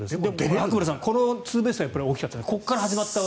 白村さん、このツーベースは大きかったですね。